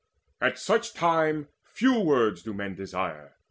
At such time Few words do men desire.